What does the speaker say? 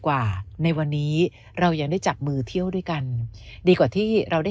กว่าในวันนี้เรายังได้จับมือเที่ยวด้วยกันดีกว่าที่เราได้